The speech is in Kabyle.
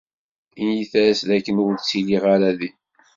Init-as d akken ur ttiliɣ ara din.